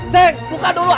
cek buka dulu atuh cek